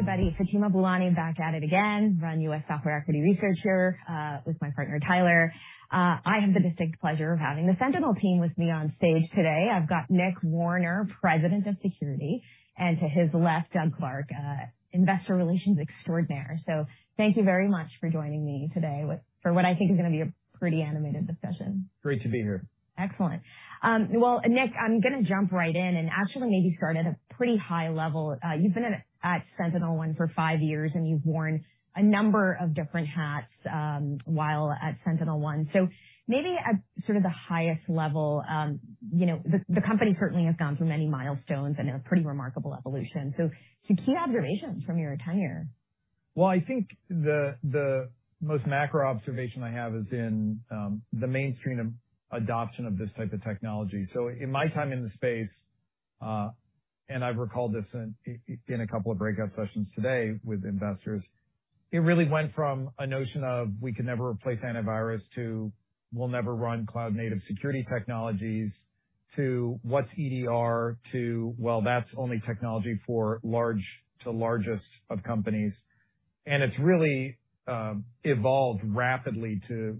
Everybody, Fatima Boolani back at it again. I run U.S. Software Equity Research here with my partner Tyler. I have the distinct pleasure of having the Sentinel team with me on stage today. I've got Nick Warner, President, Security, and to his left, Doug Clark, Investor Relations extraordinaire. Thank you very much for joining me today for what I think is gonna be a pretty animated discussion. Great to be here. Excellent. Well, Nick, I'm gonna jump right in and actually maybe start at a pretty high level. You've been at SentinelOne for five years, and you've worn a number of different hats while at SentinelOne. Maybe at sort of the highest level, you know, the company certainly has gone through many milestones and a pretty remarkable evolution. Some key observations from your tenure. Well, I think the most macro observation I have is in the mainstream of adoption of this type of technology. In my time in the space, and I've recalled this in a couple of breakout sessions today with investors. It really went from a notion of we could never replace antivirus, to we'll never run cloud-native security technologies, to what's EDR, to well, that's only technology for large to largest of companies. It's really evolved rapidly to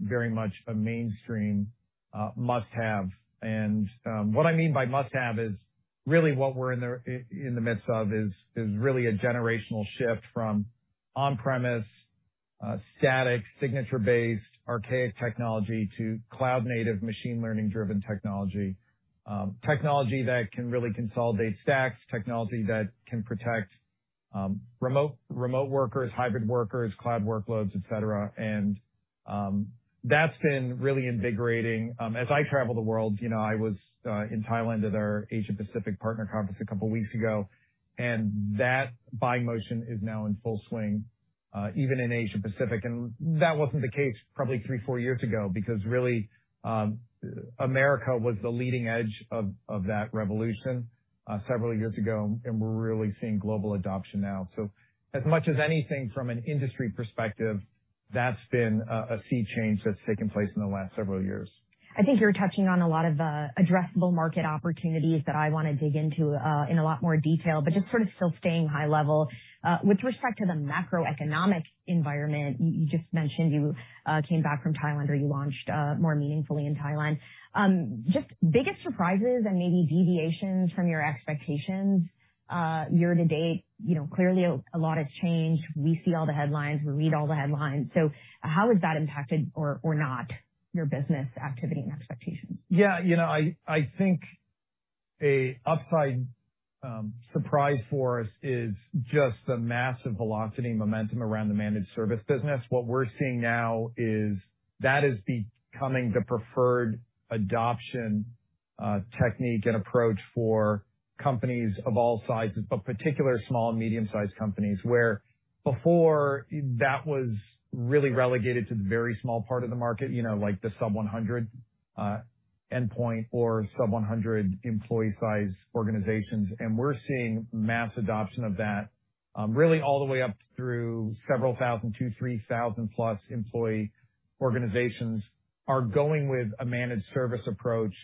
very much a mainstream must-have. What I mean by must-have is really what we're in the midst of is really a generational shift from on-premise static, signature-based, archaic technology to cloud-native, machine learning driven technology. Technology that can really consolidate stacks. Technology that can protect remote workers, hybrid workers, cloud workloads, et cetera. That's been really invigorating. As I travel the world, you know, I was in Thailand at our Asia Pacific Partner Conference a couple weeks ago, and that buying motion is now in full swing, even in Asia Pacific. That wasn't the case probably three, four years ago because really, America was the leading edge of that revolution, several years ago, and we're really seeing global adoption now. As much as anything from an industry perspective, that's been a key change that's taken place in the last several years. I think you're touching on a lot of addressable market opportunities that I wanna dig into in a lot more detail. Just sort of still staying high level with respect to the macroeconomic environment, you just mentioned you came back from Thailand or you launched more meaningfully in Thailand. Just biggest surprises and maybe deviations from your expectations year to date. You know, clearly a lot has changed. We see all the headlines, we read all the headlines. How has that impacted or not your business activity and expectations? Yeah. You know, I think an upside surprise for us is just the massive velocity and momentum around the managed service business. What we're seeing now is that it's becoming the preferred adoption technique and approach for companies of all sizes, but particularly small and medium-sized companies. Where before that was really relegated to the very small part of the market, you know, like the sub 100 endpoint or sub 100 employee size organizations. We're seeing mass adoption of that, really all the way up through several thousand to 3,000+ employee organizations are going with a managed service approach,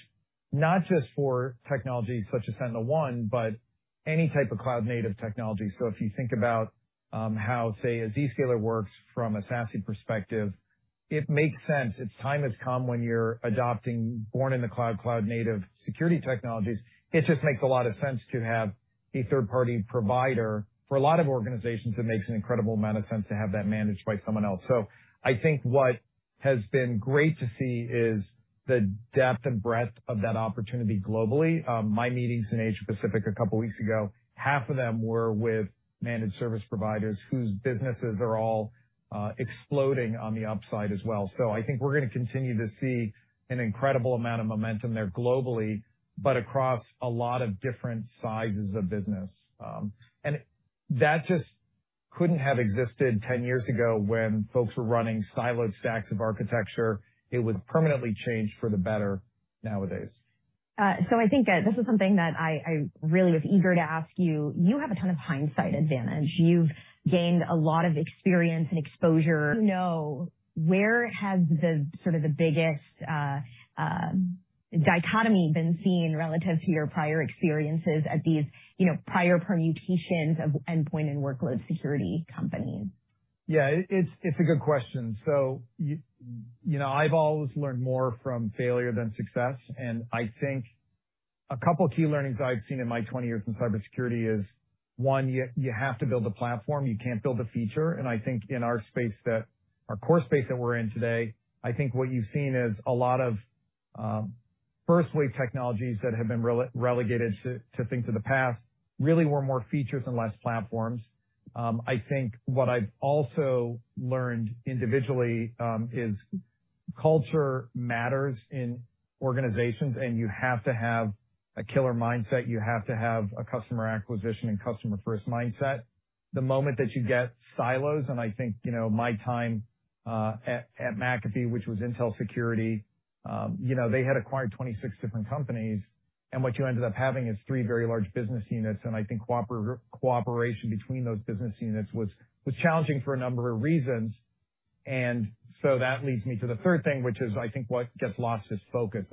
not just for technologies such as SentinelOne, but any type of cloud native technology. If you think about how, say, a Zscaler works from a SASE perspective, it makes sense. It's time has come when you're adopting born in the cloud native security technologies. It just makes a lot of sense to have a third-party provider. For a lot of organizations, it makes an incredible amount of sense to have that managed by someone else. I think what has been great to see is the depth and breadth of that opportunity globally. My meetings in Asia Pacific a couple weeks ago, half of them were with managed service providers whose businesses are all exploding on the upside as well. I think we're gonna continue to see an incredible amount of momentum there globally, but across a lot of different sizes of business. That just couldn't have existed 10 years ago when folks were running siloed stacks of architecture. It was permanently changed for the better nowadays. I think this is something that I really was eager to ask you. You have a ton of hindsight advantage. You've gained a lot of experience and exposure. Now, where has the sort of biggest dichotomy been seen relative to your prior experiences at these, you know, prior permutations of endpoint and workload security companies? Yeah. It's a good question. You know, I've always learned more from failure than success. I think a couple key learnings I've seen in my 20 years in cybersecurity is, one, you have to build a platform. You can't build a feature. I think in our space that our core space that we're in today, I think what you've seen is a lot of, firstly, technologies that have been relegated to things of the past really were more features and less platforms. I think what I've also learned individually is culture matters in organizations, and you have to have a killer mindset. You have to have a customer acquisition and customer-first mindset. The moment that you get silos, and I think, you know, my time at McAfee, which was Intel Security, you know, they had acquired 26 different companies, and what you ended up having is three very large business units. I think cooperation between those business units was challenging for a number of reasons. That leads me to the third thing, which is I think what gets lost is focus.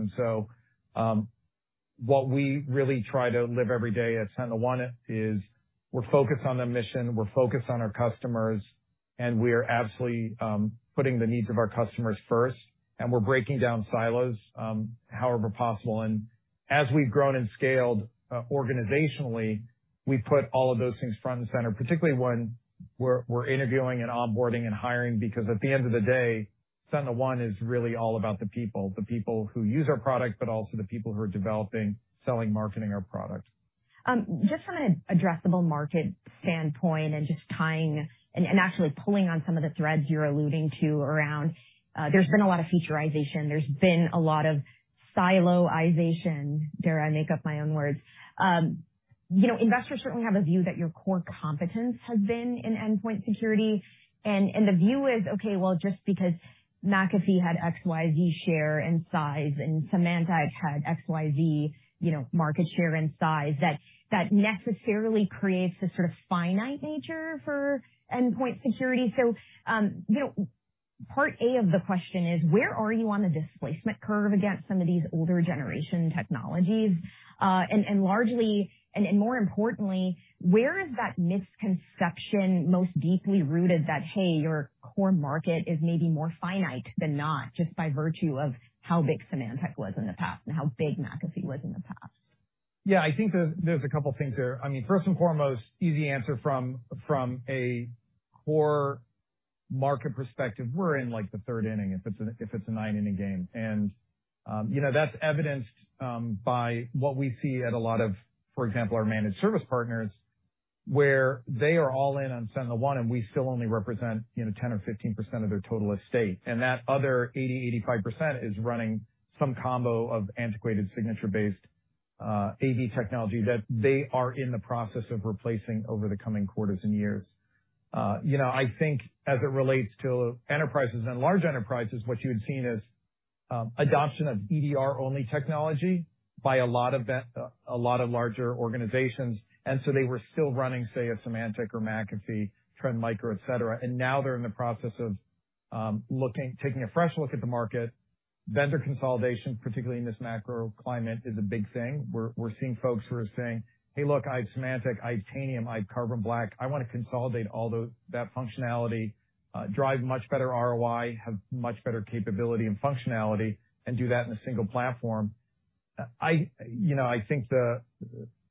What we really try to live every day at SentinelOne is we're focused on the mission, we're focused on our customers, and we are absolutely putting the needs of our customers first, and we're breaking down silos however possible. As we've grown and scaled organizationally, we put all of those things front and center, particularly when we're interviewing and onboarding and hiring. Because at the end of the day, SentinelOne is really all about the people, the people who use our product, but also the people who are developing, selling, marketing our product. Just from an addressable market standpoint and just tying and actually pulling on some of the threads you're alluding to around, there's been a lot of featurization. There's been a lot of siloization, dare I make up my own words. You know, investors certainly have a view that your core competence has been in endpoint security. The view is, okay, well, just because McAfee had XYZ share and size and Symantec had XYZ, you know, market share and size, that necessarily creates this sort of finite nature for endpoint security. You know, part A of the question is where are you on the displacement curve against some of these older generation technologies? Largely, and more importantly, where is that misconception most deeply rooted that, hey, your core market is maybe more finite than not, just by virtue of how big Symantec was in the past and how big McAfee was in the past? Yeah. I think there's a couple things there. I mean, first and foremost, easy answer from a core market perspective, we're in the third inning, if it's a nine-inning game. You know, that's evidenced by what we see at a lot of, for example, our managed service partners, where they are all in on SentinelOne, and we still only represent, you know, 10% or 15% of their total estate. That other 80%-85% is running some combo of antiquated signature-based AV technology that they are in the process of replacing over the coming quarters and years. You know, I think as it relates to enterprises and large enterprises, what you had seen is adoption of EDR-only technology by a lot of a lot of larger organizations. They were still running, say, a Symantec or McAfee, Trend Micro, et cetera, and now they're in the process of taking a fresh look at the market. Vendor consolidation, particularly in this macro climate, is a big thing. We're seeing folks who are saying, "Hey, look, I have Symantec, I have Tanium, I have Carbon Black. I wanna consolidate that functionality, drive much better ROI, have much better capability and functionality, and do that in a single platform." You know, I think the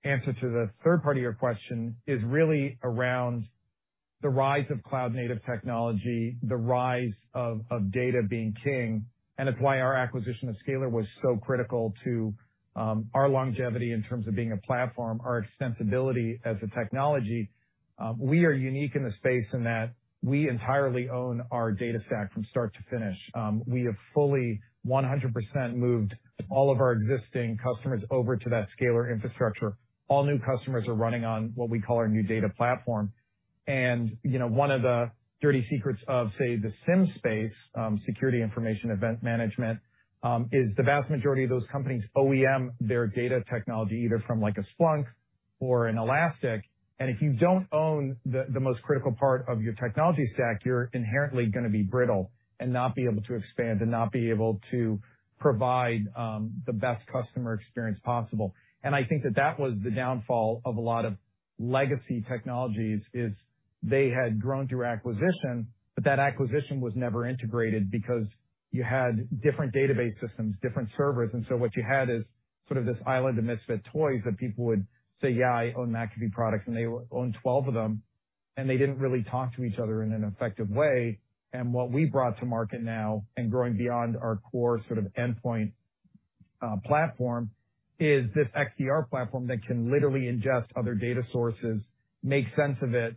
answer to the third part of your question is really around the rise of cloud-native technology, the rise of data being king, and it's why our acquisition of Scalyr was so critical to our longevity in terms of being a platform, our extensibility as a technology. We are unique in the space in that we entirely own our data stack from start to finish. We have fully 100% moved all of our existing customers over to that Scalyr infrastructure. All new customers are running on what we call our new data platform. You know, one of the dirty secrets of, say, the SIEM space, security information event management, is the vast majority of those companies OEM their data technology either from, like, a Splunk or an Elastic. If you don't own the most critical part of your technology stack, you're inherently gonna be brittle and not be able to expand and not be able to provide the best customer experience possible. I think that was the downfall of a lot of legacy technologies, is they had grown through acquisition, but that acquisition was never integrated because you had different database systems, different servers, and so what you had is sort of this island of misfit toys that people would say, "Yeah, I own McAfee products," and they own 12 of them, and they didn't really talk to each other in an effective way. What we brought to market now, and growing beyond our core sort of endpoint platform, is this XDR platform that can literally ingest other data sources, make sense of it,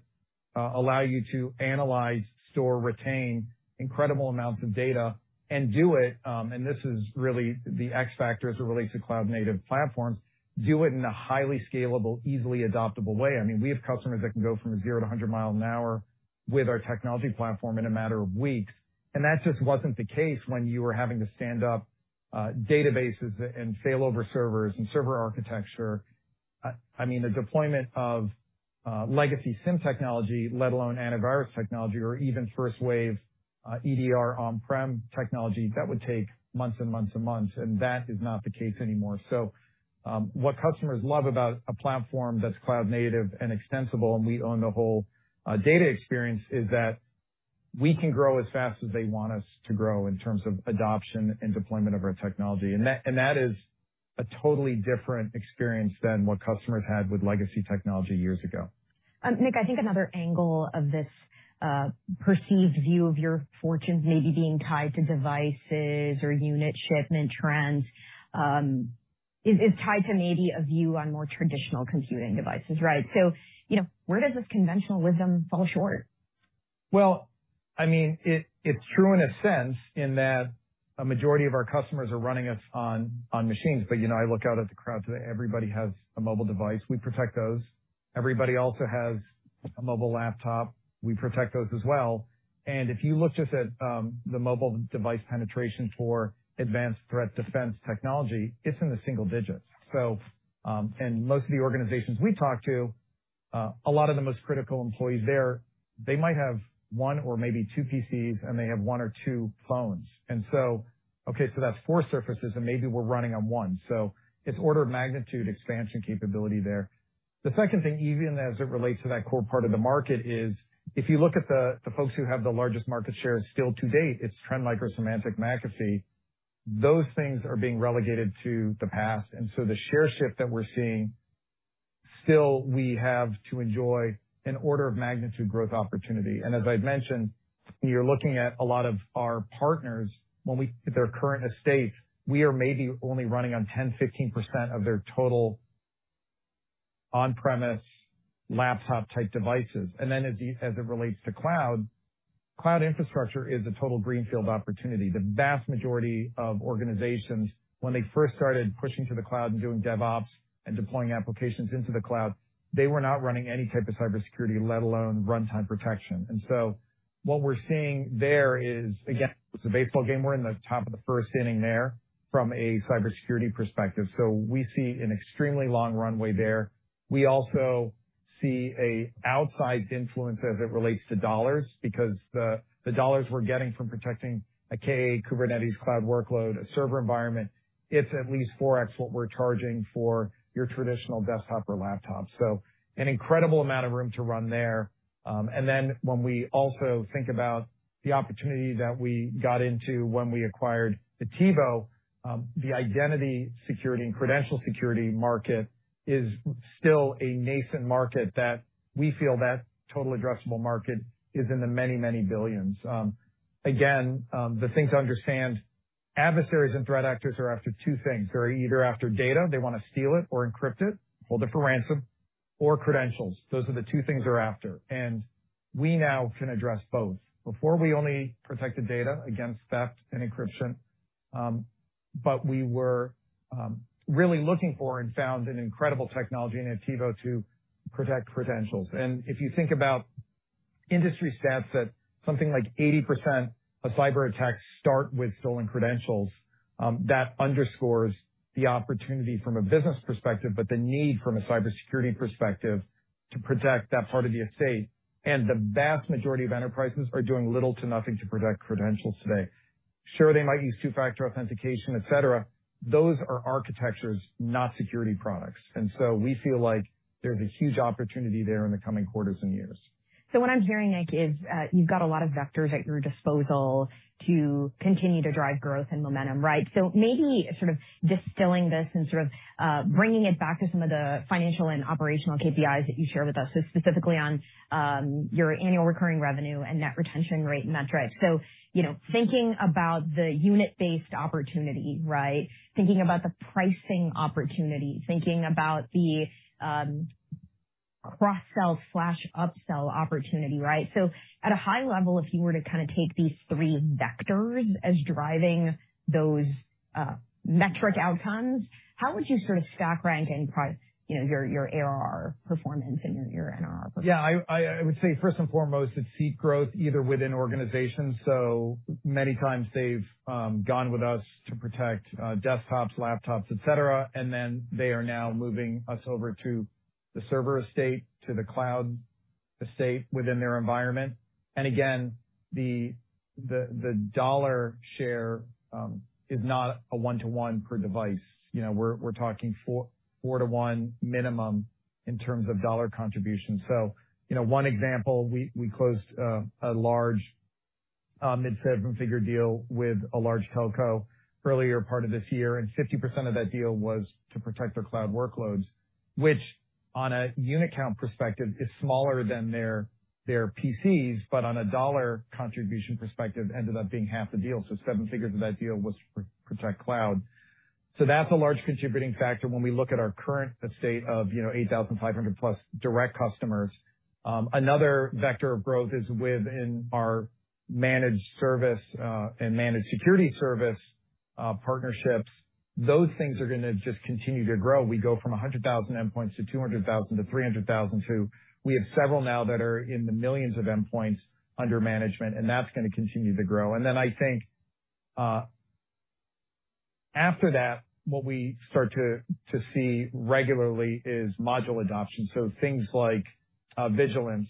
allow you to analyze, store, retain incredible amounts of data and do it, and this is really the X factor as it relates to cloud-native platforms, do it in a highly scalable, easily adoptable way. I mean, we have customers that can go from zero to a hundred miles an hour with our technology platform in a matter of weeks, and that just wasn't the case when you were having to stand up databases and failover servers and server architecture. I mean, the deployment of legacy SIEM technology, let alone antivirus technology or even first wave EDR on-prem technology, that would take months and months and months, and that is not the case anymore. What customers love about a platform that's cloud native and extensible, and we own the whole data experience, is that we can grow as fast as they want us to grow in terms of adoption and deployment of our technology. That is a totally different experience than what customers had with legacy technology years ago. Nick, I think another angle of this perceived view of your fortunes maybe being tied to devices or unit shipment trends is tied to maybe a view on more traditional computing devices, right? You know, where does this conventional wisdom fall short? Well, I mean, it's true in a sense in that a majority of our customers are running us on machines. You know, I look out at the crowd today, everybody has a mobile device. We protect those. Everybody also has a mobile laptop. We protect those as well. If you look just at the mobile device penetration for advanced threat defense technology, it's in the single digits. Most of the organizations we talk to, a lot of the most critical employees there, they might have one or maybe two PCs, and they have one or two phones. That's four surfaces, and maybe we're running on one. It's order of magnitude expansion capability there. The second thing, even as it relates to that core part of the market, is if you look at the folks who have the largest market share still to date, it's Trend Micro, Symantec, McAfee. Those things are being relegated to the past. The share shift that we're seeing, still we have to enjoy an order of magnitude growth opportunity. As I'd mentioned, you're looking at a lot of our partners their current estate, we are maybe only running on 10%-15% of their total on-premise laptop-type devices. As it relates to cloud infrastructure is a total greenfield opportunity. The vast majority of organizations, when they first started pushing to the cloud and doing DevOps and deploying applications into the cloud, they were not running any type of cybersecurity, let alone runtime protection. What we're seeing there is, again, it's a baseball game. We're in the top of the first inning there from a cybersecurity perspective. We see an extremely long runway there. We also see an outsized influence as it relates to dollars, because the dollars we're getting from protecting a Kubernetes cloud workload, a server environment, it's at least 4x what we're charging for your traditional desktop or laptop. An incredible amount of room to run there. We also think about the opportunity that we got into when we acquired Attivo, the identity security and credential security market is still a nascent market that we feel that total addressable market is in the many, many billions. Again, the thing to understand, adversaries and threat actors are after two things. They're either after data, they wanna steal it or encrypt it, hold it for ransom, or credentials. Those are the two things they're after. We now can address both. Before, we only protected data against theft and encryption, but we were really looking for and found an incredible technology in Attivo to protect credentials. If you think about industry stats that something like 80% of cyberattacks start with stolen credentials, that underscores the opportunity from a business perspective, but the need from a cybersecurity perspective to protect that part of the estate. The vast majority of enterprises are doing little to nothing to protect credentials today. Sure, they might use two-factor authentication, et cetera. Those are architectures, not security products. We feel like there's a huge opportunity there in the coming quarters and years. What I'm hearing, Nick, is you've got a lot of vectors at your disposal to continue to drive growth and momentum, right? Maybe sort of distilling this and sort of bringing it back to some of the financial and operational KPIs that you shared with us. Specifically on your annual recurring revenue and net retention rate metric. You know, thinking about the unit-based opportunity, right? Thinking about the pricing opportunity, thinking about the cross-sell/upsell opportunity, right? At a high level, if you were to kinda take these three vectors as driving those metric outcomes, how would you sort of stack rank any product, you know, your ARR performance and your NRR performance? Yeah, I would say first and foremost, it's seat growth either within organizations. Many times they've gone with us to protect desktops, laptops, et cetera, and then they are now moving us over to the server estate, to the cloud estate within their environment. Again, the dollar share is not a one-to-one per device. You know, we're talking 4-to-1 minimum in terms of dollar contribution. You know, one example, we closed a large mid-seven-figure deal with a large telco earlier part of this year, and 50% of that deal was to protect their cloud workloads, which on a unit count perspective, is smaller than their PCs, but on a dollar contribution perspective, ended up being half the deal. Seven figures of that deal was to protect cloud. That's a large contributing factor when we look at our current estate of, you know, 8,500+ direct customers. Another vector of growth is within our managed service and managed security service partnerships. Those things are gonna just continue to grow. We go from 100,000 endpoints to 200,000 to 300,000 to we have several now that are in the millions of endpoints under management, and that's gonna continue to grow. Then I think, after that, what we start to see regularly is module adoption. Things like Vigilance,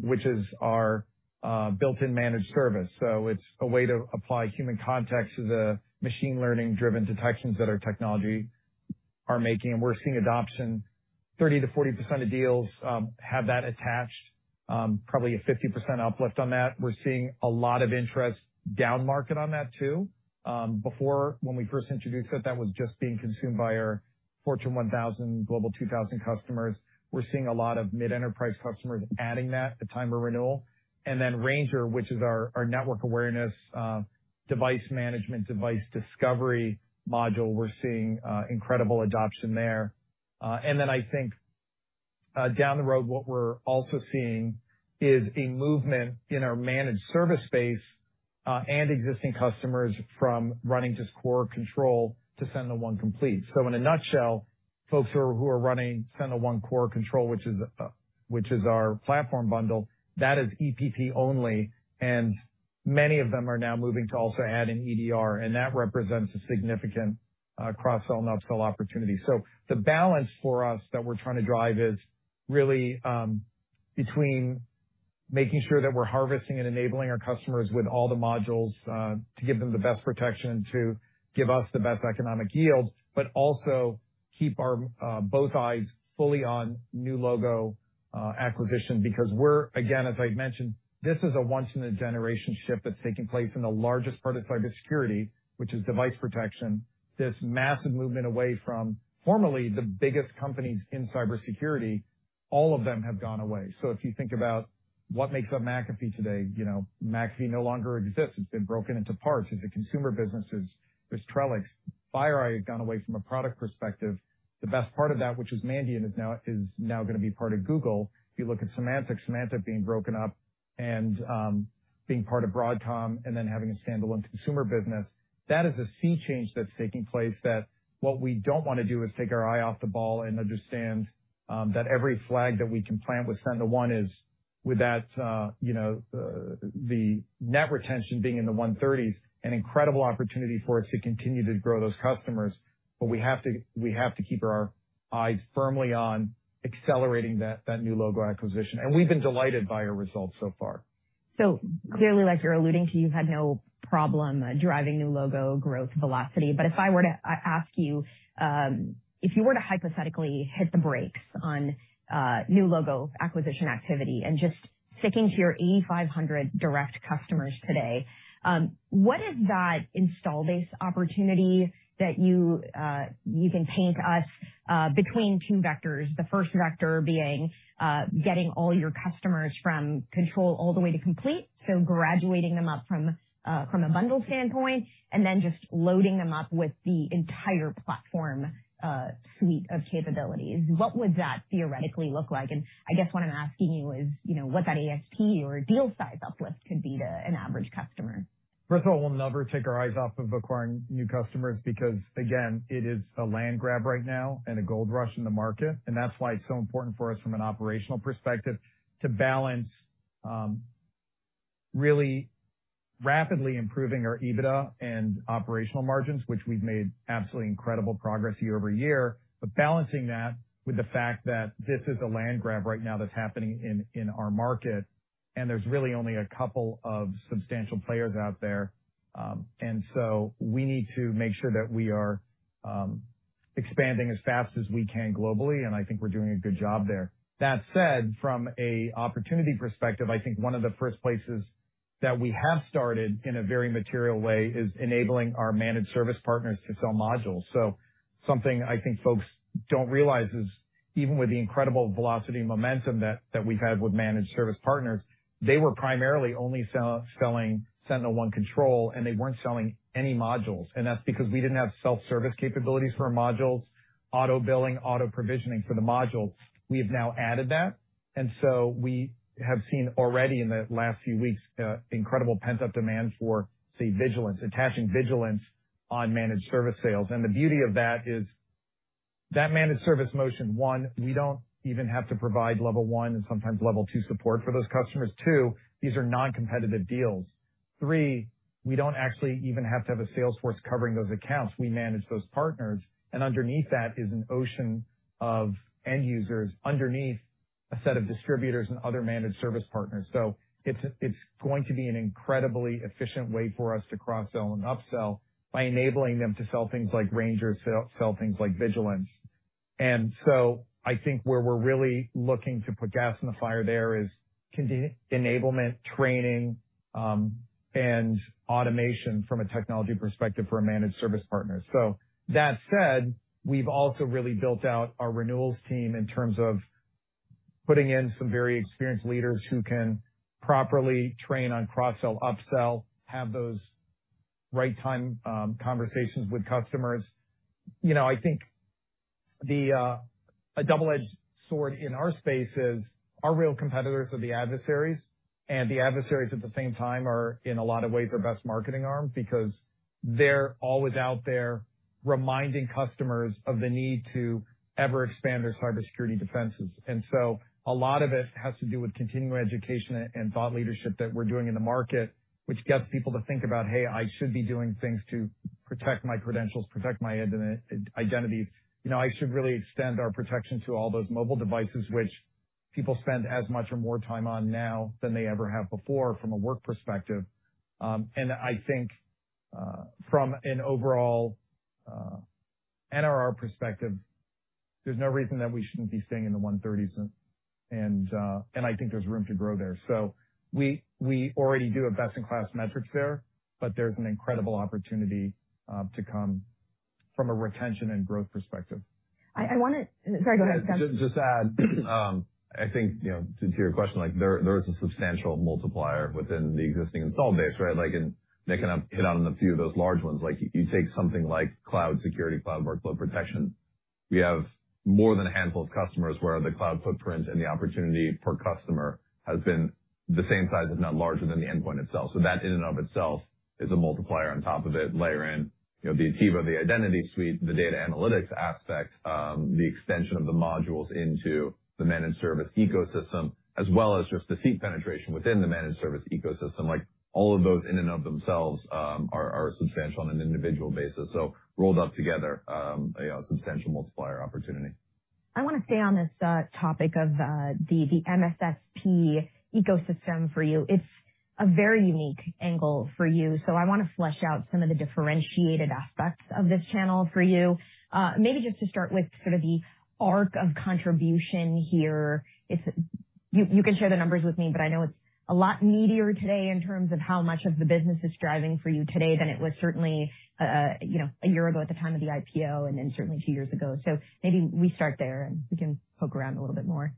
which is our built-in managed service. It's a way to apply human context to the machine learning-driven detections that our technology are making. We're seeing adoption, 30%-40% of deals have that attached. Probably a 50% uplift on that. We're seeing a lot of interest downmarket on that too. Before, when we first introduced it, that was just being consumed by our Fortune 1,000, Forbes Global 2,000 customers. We're seeing a lot of mid-enterprise customers adding that at time of renewal. Ranger, which is our network awareness, device management, device discovery module, we're seeing incredible adoption there. I think, down the road, what we're also seeing is a movement in our managed service space, and existing customers from running just Core Control to SentinelOne Complete. In a nutshell, folks who are running SentinelOne Core Control, which is our platform bundle that is EPP only, and many of them are now moving to also add in EDR, and that represents a significant cross-sell and upsell opportunity. The balance for us that we're trying to drive is really between making sure that we're harvesting and enabling our customers with all the modules to give them the best protection to give us the best economic yield, but also keep our both eyes fully on new logo acquisition, because we're, again, as I mentioned, this is a once in a generation shift that's taking place in the largest part of cybersecurity, which is device protection. This massive movement away from formerly the biggest companies in cybersecurity, all of them have gone away. If you think about what makes up McAfee today, you know, McAfee no longer exists. It's been broken into parts. There's a consumer business, there's Trellix. FireEye has gone away from a product perspective. The best part of that, which is Mandiant, is now gonna be part of Google. If you look at Symantec being broken up and being part of Broadcom and then having a standalone consumer business, that is a sea change that's taking place that what we don't wanna do is take our eye off the ball and understand that every flag that we can plant with SentinelOne is with that, you know, the net retention being in the 130s%, an incredible opportunity for us to continue to grow those customers. We have to keep our eyes firmly on accelerating that new logo acquisition. We've been delighted by our results so far. Clearly, like you're alluding to, you've had no problem driving new logo growth velocity. If I were to ask you, if you were to hypothetically hit the brakes on new logo acquisition activity and just sticking to your 8,500 direct customers today, what is that installed base opportunity that you can paint us between two vectors, the first vector being getting all your customers from Control all the way to Complete, so graduating them up from a bundle standpoint, and then just loading them up with the entire platform suite of capabilities? What would that theoretically look like? I guess what I'm asking you is, you know, what that ASP or deal size uplift could be to an average customer. First of all, we'll never take our eyes off of acquiring new customers because again, it is a land grab right now and a gold rush in the market. That's why it's so important for us from an operational perspective to balance really rapidly improving our EBITDA and operational margins, which we've made absolutely incredible progress year-over-year. Balancing that with the fact that this is a land grab right now that's happening in our market, and there's really only a couple of substantial players out there. We need to make sure that we are expanding as fast as we can globally, and I think we're doing a good job there. That said, from an opportunity perspective, I think one of the first places that we have started in a very material way is enabling our managed service partners to sell modules. Something I think folks don't realize is even with the incredible velocity and momentum that we've had with managed service partners, they were primarily only selling SentinelOne Control, and they weren't selling any modules. That's because we didn't have self-service capabilities for modules, auto-billing, auto-provisioning for the modules. We have now added that, and so we have seen already in the last few weeks incredible pent-up demand for, say, Vigilance, attaching Vigilance on managed service sales. The beauty of that is that managed service motion, one, we don't even have to provide level one and sometimes level two support for those customers. Two, these are non-competitive deals. Three, we don't actually even have to have a sales force covering those accounts. We manage those partners, and underneath that is an ocean of end users underneath a set of distributors and other managed service partners. It's going to be an incredibly efficient way for us to cross-sell and upsell by enabling them to sell things like Ranger, sell things like Vigilance. I think where we're really looking to put gas in the fire there is continue enablement, training, and automation from a technology perspective for a managed service partner. That said, we've also really built out our renewals team in terms of putting in some very experienced leaders who can properly train on cross-sell, upsell, have those right time conversations with customers. You know, I think the a double-edged sword in our space is our real competitors are the adversaries, and the adversaries at the same time are in a lot of ways our best marketing arm because they're always out there reminding customers of the need to ever expand their cybersecurity defenses. A lot of it has to do with continuing education and thought leadership that we're doing in the market, which gets people to think about, "Hey, I should be doing things to protect my credentials, protect my identities. You know, I should really extend our protection to all those mobile devices," which people spend as much or more time on now than they ever have before from a work perspective. I think from an overall NRR perspective, there's no reason that we shouldn't be staying in the 130s. I think there's room to grow there. We already do best-in-class metrics there, but there's an incredible opportunity to come from a retention and growth perspective. Sorry, go ahead, Doug. Just add, I think, you know, to your question, like there is a substantial multiplier within the existing install base, right? Like in making a hit on a few of those large ones. Like you take something like cloud security, cloud workload protection. We have more than a handful of customers where the cloud footprint and the opportunity per customer has been the same size, if not larger than the endpoint itself. That in and of itself is a multiplier on top of it. Layer in, you know, the Attivo, the identity suite, the data analytics aspect, the extension of the modules into the managed service ecosystem, as well as just the seat penetration within the managed service ecosystem. Like, all of those in and of themselves are substantial on an individual basis. Rolled up together, you know, a substantial multiplier opportunity. I want to stay on this topic of the MSSP ecosystem for you. It's a very unique angle for you, so I wanna flesh out some of the differentiated aspects of this channel for you. Maybe just to start with sort of the arc of contribution here. You can share the numbers with me, but I know it's a lot meatier today in terms of how much of the business is driving for you today than it was certainly you know a year ago at the time of the IPO and then certainly two years ago. Maybe we start there, and we can poke around a little bit more.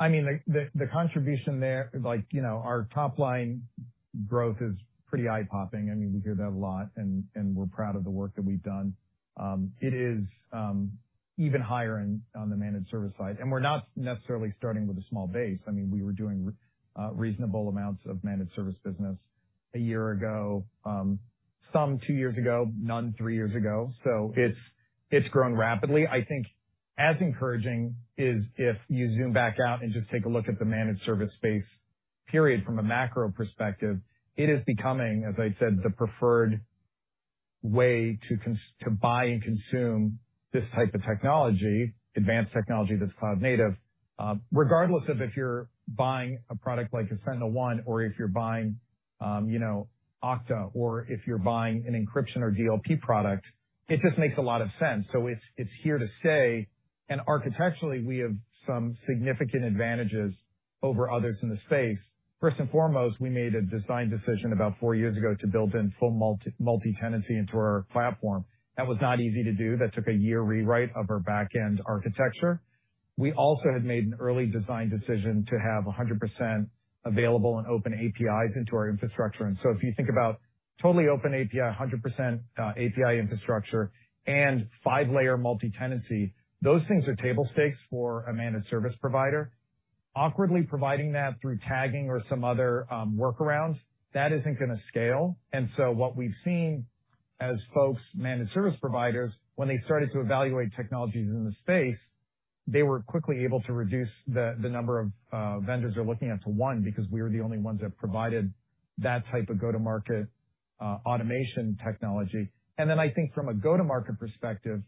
I mean, the contribution there, like, you know, our top-line growth is pretty eye-popping. I mean, we hear that a lot, and we're proud of the work that we've done. It is even higher on the managed service side. We're not necessarily starting with a small base. I mean, we were doing reasonable amounts of managed service business a year ago, some two years ago, none three years ago. It's grown rapidly. I think as encouraging is if you zoom back out and just take a look at the managed service space period from a macro perspective, it is becoming, as I said, the preferred way to buy and consume this type of technology, advanced technology that's cloud native. Regardless of if you're buying a product like a SentinelOne or if you're buying, you know, Okta or if you're buying an encryption or DLP product, it just makes a lot of sense. It's here to stay. Architecturally, we have some significant advantages over others in the space. First and foremost, we made a design decision about four years ago to build in full multitenancy into our platform. That was not easy to do. That took a year rewrite of our back-end architecture. We also had made an early design decision to have 100% available and open APIs into our infrastructure. If you think about totally open API, 100%, API infrastructure and five-layer multitenancy, those things are table stakes for a managed service provider. Awkwardly providing that through tagging or some other, workarounds, that isn't gonna scale. What we've seen as folks, managed service providers, when they started to evaluate technologies in the space, they were quickly able to reduce the number of vendors they're looking at to one, because we were the only ones that provided that type of go-to-market, automation technology. I think from a go-to-market perspective,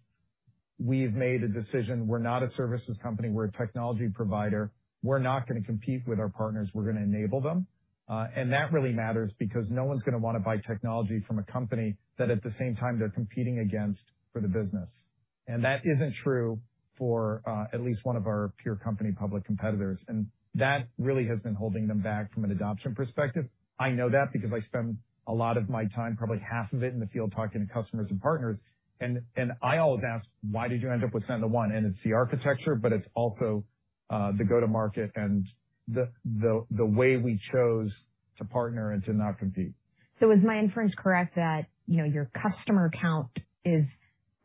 we've made a decision. We're not a services company. We're a technology provider. We're not gonna compete with our partners. We're gonna enable them. That really matters because no one's gonna wanna buy technology from a company that at the same time they're competing against for the business. That isn't true for, at least one of our peer company public competitors, and that really has been holding them back from an adoption perspective. I know that because I spend a lot of my time, probably half of it in the field, talking to customers and partners. I always ask, "Why did you end up with SentinelOne?" It's the architecture, but it's also the go-to-market and the way we chose to partner and to not compete. Is my inference correct that, you know, your customer count is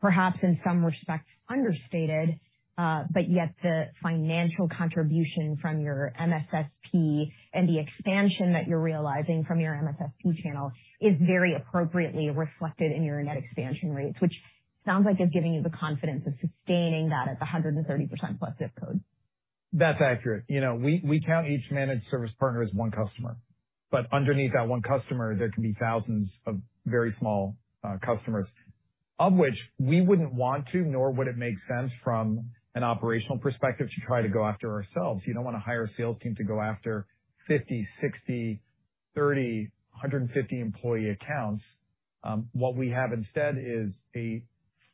perhaps in some respects understated, but yet the financial contribution from your MSSP and the expansion that you're realizing from your MSSP channel is very appropriately reflected in your net expansion rates, which sounds like it's giving you the confidence of sustaining that at the 130% plus zip code. That's accurate. You know, we count each managed service partner as one customer. Underneath that one customer, there can be thousands of very small customers, of which we wouldn't want to, nor would it make sense from an operational perspective, to try to go after ourselves. You don't want to hire a sales team to go after 50, 60, 30, 150 employee accounts. What we have instead is a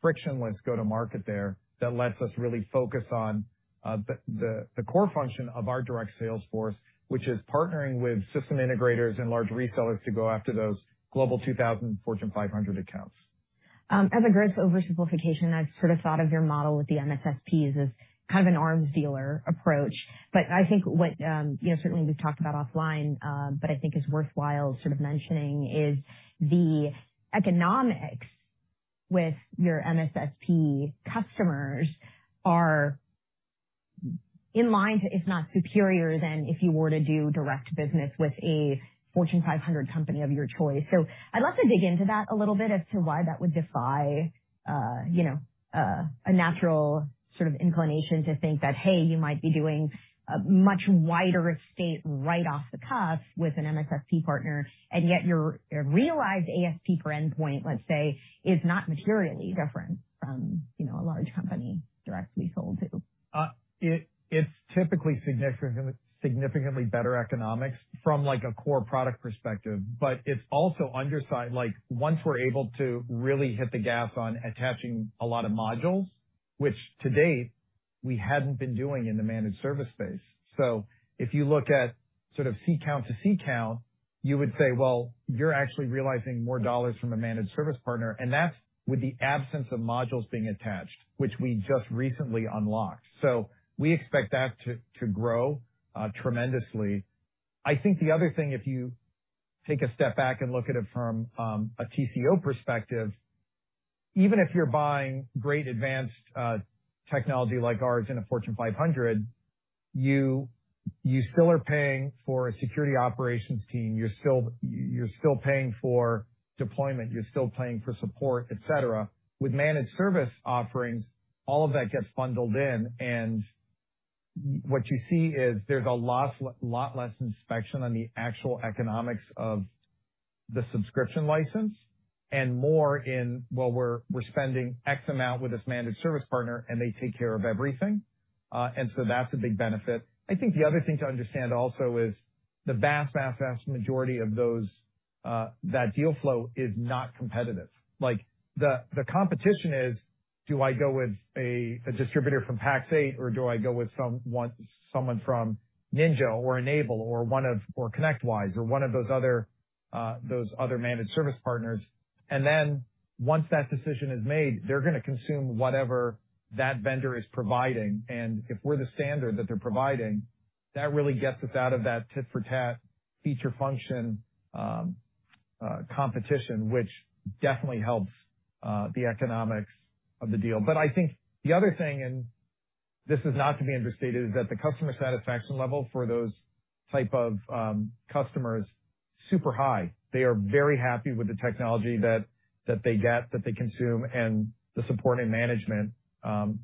frictionless go-to-market there that lets us really focus on the core function of our direct sales force, which is partnering with system integrators and large resellers to go after those Global 2000, Fortune 500 accounts. As a gross oversimplification, I've sort of thought of your model with the MSSPs as kind of an arms dealer approach. I think what, certainly we've talked about offline, but I think is worthwhile sort of mentioning is the economics with your MSSP customers are in line to, if not superior than if you were to do direct business with a Fortune 500 company of your choice. I'd love to dig into that a little bit as to why that would defy, you know, a natural sort of inclination to think that, hey, you might be doing a much wider estate right off the cuff with an MSSP partner, and yet your realized ASP per endpoint, let's say, is not materially different from, you know, a large company directly sold to. It's typically significantly better economics from, like, a core product perspective, but it's also upside. Like, once we're able to really hit the gas on attaching a lot of modules, which to date we hadn't been doing in the managed service space. If you look at sort of C count to C count, you would say, well, you're actually realizing more dollars from a managed service partner, and that's with the absence of modules being attached, which we just recently unlocked. We expect that to grow tremendously. I think the other thing, if you take a step back and look at it from a TCO perspective. Even if you're buying great advanced technology like ours in a Fortune 500, you still are paying for a security operations team. You're still paying for deployment. You're still paying for support, et cetera. With managed service offerings, all of that gets bundled in, and what you see is there's a lot less inspection on the actual economics of the subscription license and more in, well, we're spending X amount with this managed service partner, and they take care of everything. That's a big benefit. I think the other thing to understand also is the vast majority of those that deal flow is not competitive. Like, the competition is, do I go with a distributor from Pax8, or do I go with someone from NinjaOne or N-able or ConnectWise or one of those other managed service partners? Once that decision is made, they're gonna consume whatever that vendor is providing. If we're the standard that they're providing, that really gets us out of that tit for tat feature function competition, which definitely helps the economics of the deal. I think the other thing, and this is not to be understated, is that the customer satisfaction level for those type of customers super high. They are very happy with the technology that they get, that they consume, and the support and management,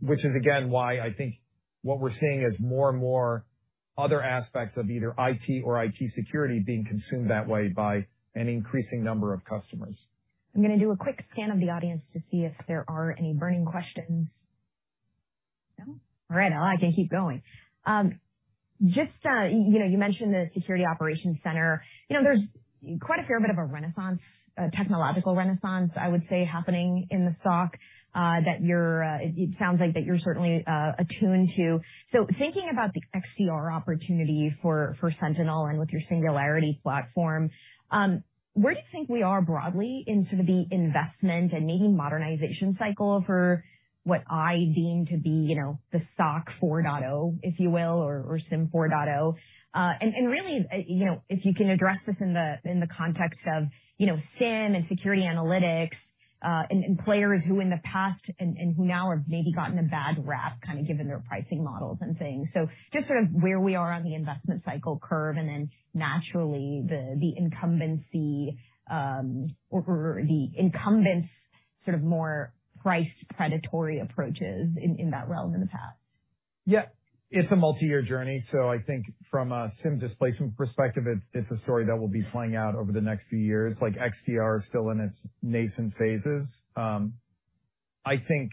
which is again why I think what we're seeing is more and more other aspects of either IT or IT security being consumed that way by an increasing number of customers. I'm gonna do a quick scan of the audience to see if there are any burning questions. No? All right. I can keep going. Just, you know, you mentioned the security operations center. You know, there's quite a fair bit of a renaissance, a technological renaissance, I would say, happening in the SOC that you're attuned to. It sounds like you're certainly attuned to. Thinking about the XDR opportunity for Sentinel and with your Singularity platform, where do you think we are broadly in sort of the investment and maybe modernization cycle for what I deem to be, you know, the SOC 4.0, if you will, or SIEM 4.0? Really, you know, if you can address this in the context of, you know, SIEM and security analytics, and players who in the past and who now have maybe gotten a bad rap, kind of given their pricing models and things. Just sort of where we are on the investment cycle curve and then naturally the incumbency, or the incumbents sort of more price predatory approaches in that realm in the past. Yeah. It's a multi-year journey. I think from a SIEM displacement perspective, it's a story that will be playing out over the next few years. Like, XDR is still in its nascent phases. I think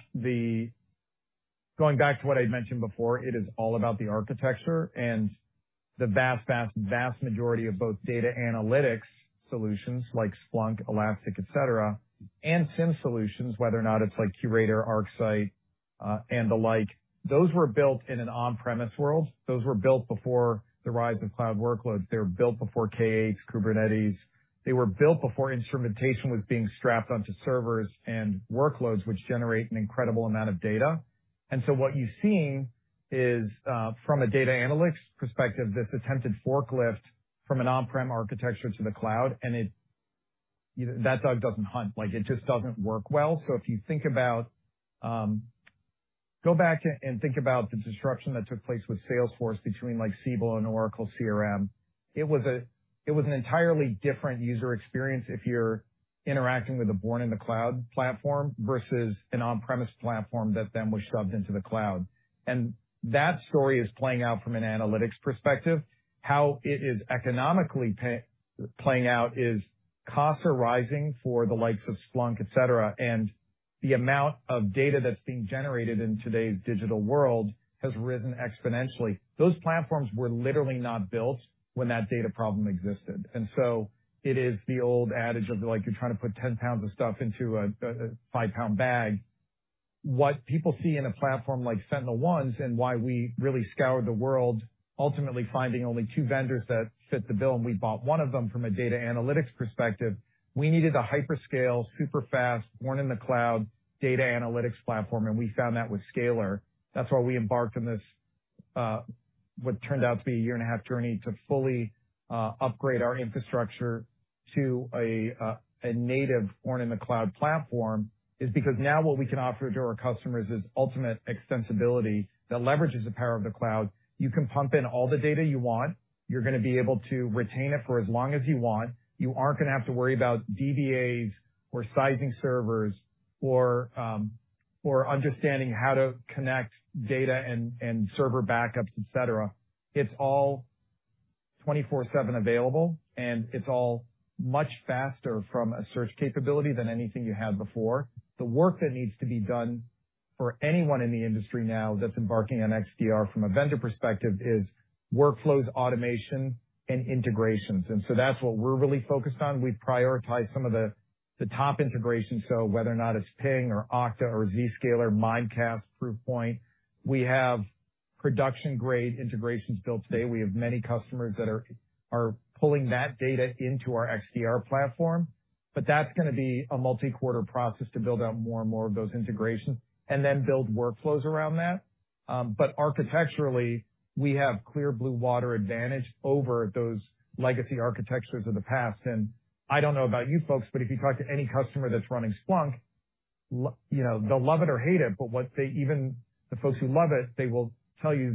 going back to what I mentioned before, it is all about the architecture and the vast majority of both data analytics solutions like Splunk, Elastic, et cetera, and SIEM solutions, whether or not it's like QRadar, ArcSight, and the like, those were built in an on-premises world. Those were built before the rise of cloud workloads. They were built before K8s, Kubernetes. They were built before instrumentation was being strapped onto servers and workloads which generate an incredible amount of data. What you've seen is, from a data analytics perspective, this attempted forklift from an on-prem architecture to the cloud, and that dog doesn't hunt. Like, it just doesn't work well. If you think about, go back and think about the disruption that took place with Salesforce between, like, Siebel and Oracle CRM. It was an entirely different user experience if you're interacting with a born in the cloud platform versus an on-premise platform that then was shoved into the cloud. That story is playing out from an analytics perspective. How it is economically playing out is costs are rising for the likes of Splunk, et cetera, and the amount of data that's being generated in today's digital world has risen exponentially. Those platforms were literally not built when that data problem existed. It is the old adage of, like, you're trying to put 10 lb of stuff into a 5 lb bag. What people see in a platform like SentinelOne's, and why we really scoured the world, ultimately finding only two vendors that fit the bill, and we bought one of them from a data analytics perspective. We needed a hyperscale, super fast, born in the cloud data analytics platform, and we found that with Scalyr. That's why we embarked on this, what turned out to be a year and a half journey to fully upgrade our infrastructure to a native born in the cloud platform is because now what we can offer to our customers is ultimate extensibility that leverages the power of the cloud. You can pump in all the data you want. You're gonna be able to retain it for as long as you want. You aren't gonna have to worry about DBAs or sizing servers or or understanding how to connect data and server backups, et cetera. It's all 24/7 available, and it's all much faster from a search capability than anything you had before. The work that needs to be done for anyone in the industry now that's embarking on XDR from a vendor perspective is workflows, automation, and integrations. That's what we're really focused on. We prioritize some of the top integrations, so whether or not it's Ping or Okta or Zscaler, Mimecast, Proofpoint, we have production-grade integrations built today. We have many customers that are pulling that data into our XDR platform, but that's gonna be a multi-quarter process to build out more and more of those integrations and then build workflows around that. Architecturally, we have clear blue water advantage over those legacy architectures of the past. I don't know about you folks, but if you talk to any customer that's running Splunk, you know, they'll love it or hate it, but the folks who love it, they will tell you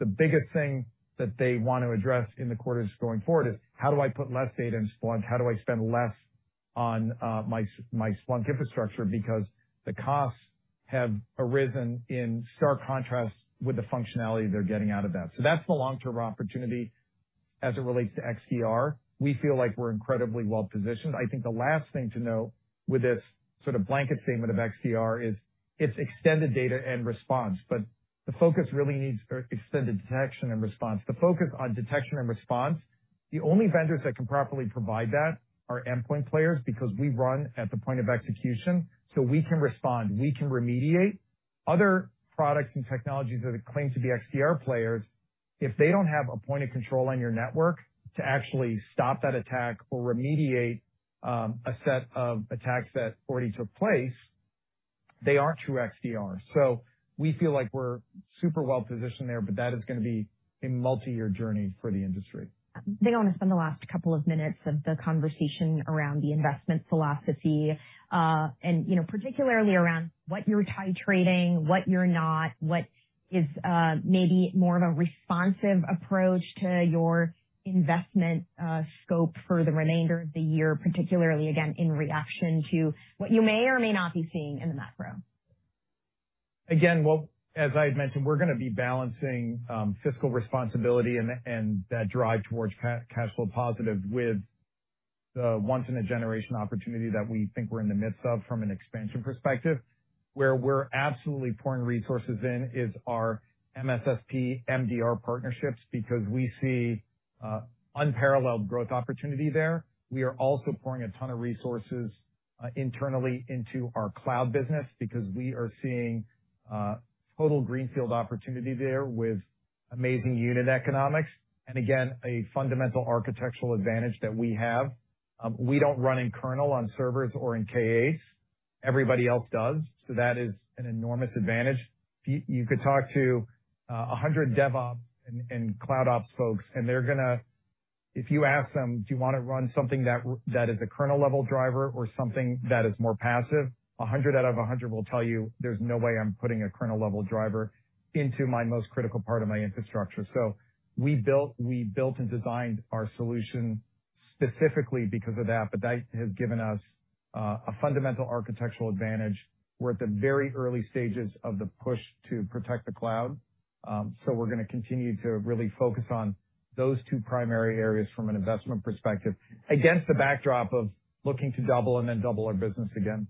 the biggest thing that they want to address in the quarters going forward is how do I put less data in Splunk? How do I spend less on my Splunk infrastructure? Because the costs have arisen in stark contrast with the functionality they're getting out of that. That's the long-term opportunity as it relates to XDR. We feel like we're incredibly well-positioned. I think the last thing to note with this sort of blanket statement of XDR is it's extended detection and response, but the focus really needs to be extended detection and response. The focus on detection and response, the only vendors that can properly provide that are endpoint players because we run at the point of execution, so we can respond, we can remediate. Other products and technologies that claim to be XDR players, if they don't have a point of control on your network to actually stop that attack or remediate a set of attacks that already took place, they aren't true XDR. We feel like we're super well-positioned there, but that is gonna be a multi-year journey for the industry. I think I wanna spend the last couple of minutes of the conversation around the investment philosophy, and you know, particularly around what you're titrating, what you're not, what is maybe more of a responsive approach to your investment scope for the remainder of the year, particularly again, in reaction to what you may or may not be seeing in the macro. Again, well, as I had mentioned, we're gonna be balancing, fiscal responsibility and that drive towards cash flow positive with the once in a generation opportunity that we think we're in the midst of from an expansion perspective. Where we're absolutely pouring resources in is our MSSP MDR partnerships because we see, unparalleled growth opportunity there. We are also pouring a ton of resources, internally into our cloud business because we are seeing, total greenfield opportunity there with amazing unit economics, and again, a fundamental architectural advantage that we have. We don't run in kernel on servers or in K8s, everybody else does, so that is an enormous advantage. You could talk to 100 DevOps and CloudOps folks, and they're gonna. If you ask them, "Do you wanna run something that is a kernel-level driver or something that is more passive?" 100 out of 100 will tell you, "There's no way I'm putting a kernel-level driver into my most critical part of my infrastructure." We built and designed our solution specifically because of that, but that has given us a fundamental architectural advantage. We're at the very early stages of the push to protect the cloud, so we're gonna continue to really focus on those two primary areas from an investment perspective, against the backdrop of looking to double and then double our business again.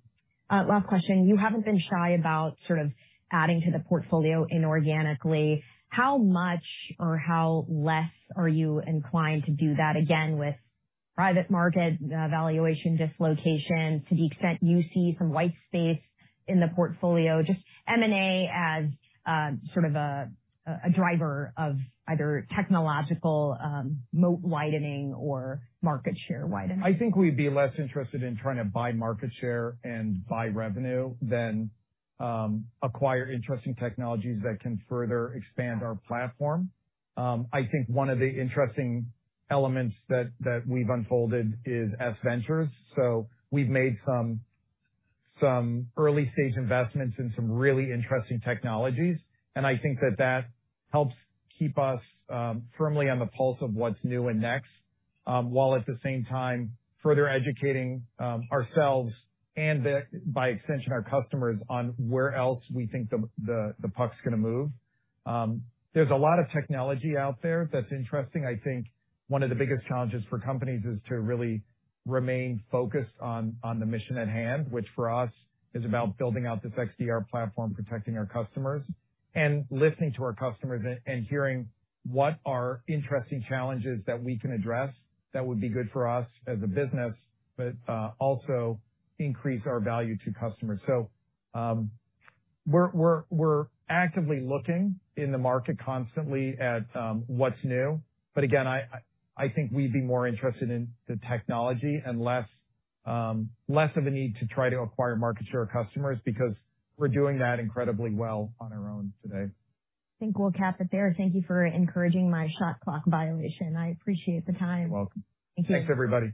Last question. You haven't been shy about sort of adding to the portfolio inorganically. How much or how less are you inclined to do that again with private market, valuation dislocation to the extent you see some white space in the portfolio? Just M&A as, sort of a driver of either technological, moat widening or market share widening. I think we'd be less interested in trying to buy market share and buy revenue than acquire interesting technologies that can further expand our platform. I think one of the interesting elements that we've unfolded is S Ventures. We've made some early-stage investments in some really interesting technologies, and I think that helps keep us firmly on the pulse of what's new and next, while at the same time further educating ourselves and, by extension, our customers on where else we think the puck's gonna move. There's a lot of technology out there that's interesting. I think one of the biggest challenges for companies is to really remain focused on the mission at hand, which for us is about building out this XDR platform, protecting our customers, and listening to our customers and hearing what are interesting challenges that we can address that would be good for us as a business, but also increase our value to customers. We're actively looking in the market constantly at what's new. Again, I think we'd be more interested in the technology and less of a need to try to acquire market share customers because we're doing that incredibly well on our own today. I think we'll cap it there. Thank you for encouraging my shot clock violation. I appreciate the time. You're welcome. Thank you. Thanks, everybody.